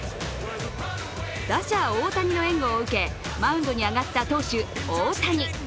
打者・大谷の援護を受け、マウンドに上がった投手・大谷。